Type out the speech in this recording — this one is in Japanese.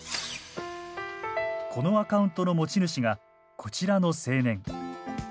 このアカウントの持ち主がこちらの青年。